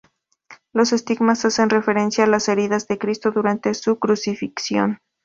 Los estigmas hacen referencia a las heridas de Cristo durante su crucifixión.